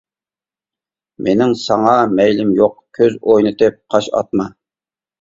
مېنىڭ ساڭا مەيلىم يوق، كۆز ئوينىتىپ قاش ئاتما.